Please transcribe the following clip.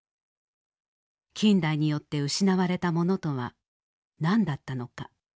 近代によって失われたものとは何だったのか。